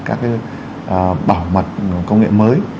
các bảo mật công nghệ mới